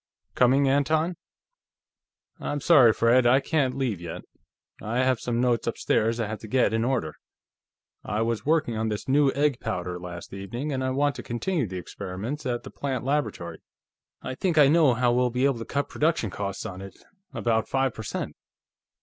Coming, Anton?" "I'm sorry, Fred; I can't leave, yet. I have some notes upstairs I have to get in order. I was working on this new egg powder, last evening, and I want to continue the experiments at the plant laboratory. I think I know how we'll be able to cut production costs on it, about five per cent."